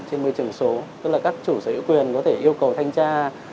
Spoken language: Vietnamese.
trên môi trường số tức là các chủ sở hữu quyền có thể yêu cầu thanh tra